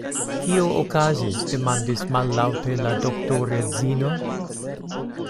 Kio okazis? demandis mallaute la doktoredzino.